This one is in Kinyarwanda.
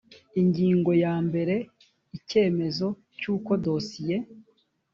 ingingo ya mbere icyemezo cy uko dosiye